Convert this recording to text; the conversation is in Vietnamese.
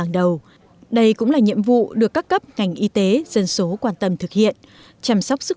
đầu đây cũng là nhiệm vụ được các cấp ngành y tế dân số quan tâm thực hiện chăm sóc sức